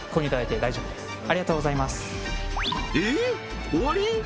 えっ終わり？